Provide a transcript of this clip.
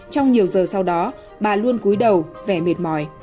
trong nhiều giờ sau đó bà luôn cúi đầu vẻ mệt mỏi